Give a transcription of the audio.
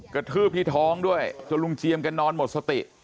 กระทืบที่ท้องด้วยจนลุงเจียมแกนอนหมดสติ